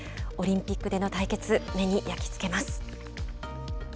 オリンピックでの対決目に焼き付けます。